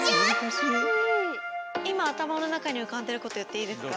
今頭の中に浮かんでること言っていいですか。